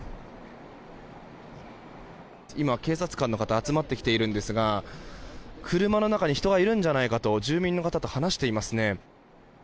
今、警察官の方が集まってきているんですが車の中に人がいるんじゃないかと住民の方と話していますね。